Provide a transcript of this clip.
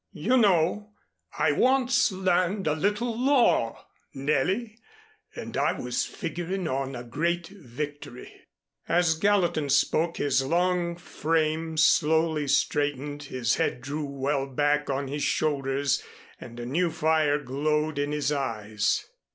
You know, I once learned a little law, Nellie, and I was figuring on a great victory." As Gallatin spoke, his long frame slowly straightened, his head drew well back on his shoulders and a new fire glowed in his eyes.